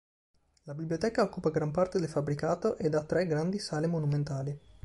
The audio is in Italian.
La biblioteca occupa gran parte del fabbricato ed ha tre grandi sale monumentali.